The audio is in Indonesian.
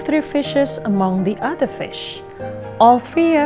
tinggal tiga ikan di antara ikan lainnya